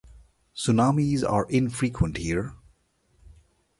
Tsunamis are infrequent here.